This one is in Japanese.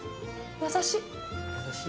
優しい。